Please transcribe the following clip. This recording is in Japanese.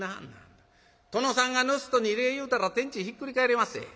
殿さんがぬすっとに礼言うたら天地ひっくり返りまっせ。